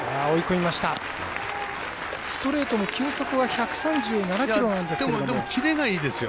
ストレートの球速は１３７キロなんですけど。